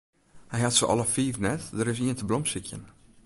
Hy hat se alle fiif net, der is ien te blomkesykjen.